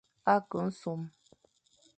A ke nsom.